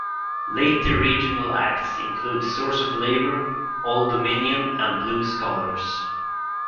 Later regional acts include Source of Labor, Oldominion and Blue Scholars.